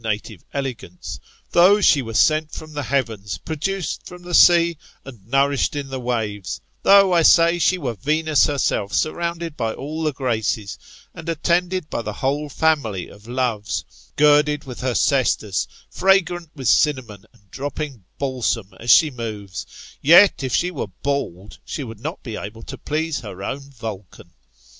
ok native elegance; though she were sent from the heavens, produced from the sea, and nourished in the waves ; though, I say, she were Venus herself, surrounded by all the Graces, and attended by the whole family of Loves, girded with her cestus, fragrant with cinnamon, and dropping balsam as she moves; yet if she were bald, she woul^ not be able to please her own Vulcan.